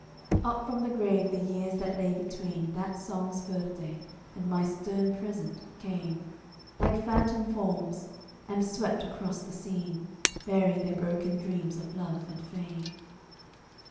Up from the grave the years that lay between That song's birthday and my stern present came Like phantom forms and swept across the scene, Bearing their broken dreams of love and fame.